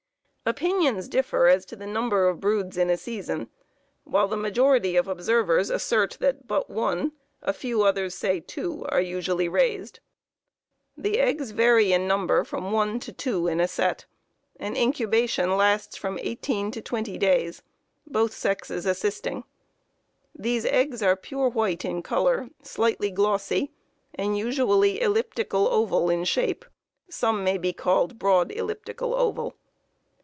Opinions differ as to the number of broods in a season; while the majority of observers assert that but one, a few others say that two, are usually raised. The eggs vary in number from one to two in a set, and incubation lasts from eighteen to twenty days, both sexes assisting. These eggs are pure white in color, slightly glossy, and usually elliptical oval in shape; some may be called broad elliptical oval.